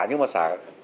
nhưng mà xả không được